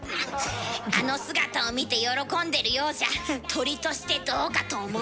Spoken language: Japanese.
あの姿を見て喜んでるようじゃ鳥としてどうかと思う。